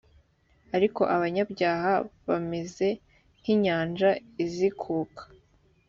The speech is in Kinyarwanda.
ariko abanyabyaha bameze nk inyanja izikuka